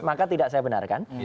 maka tidak saya benarkan